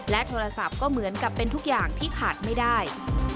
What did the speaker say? โทรศัพท์ก็เหมือนกับเป็นทุกอย่างที่ขาดไม่ได้